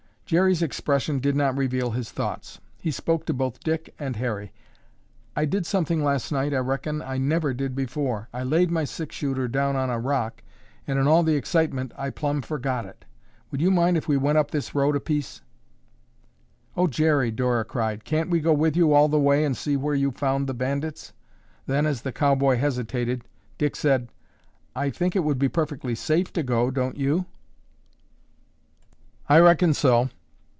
Jerry's expression did not reveal his thoughts. He spoke to both Dick and Harry. "I did something last night, I reckon, I never did before. I laid my six shooter down on a rock and in all the excitement I plumb forgot it. Would you mind if we went up this road a piece—" "Oh, Jerry," Dora cried, "can't we go with you all the way and see where you found the bandits?" Then, as the cowboy hesitated, Dick said, "I think it would be perfectly safe to go, don't you?" "I reckon so."